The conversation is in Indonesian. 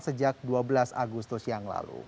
sejak dua belas agustus yang lalu